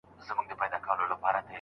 تاسي ځئ ما مي قسمت ته ځان سپارلی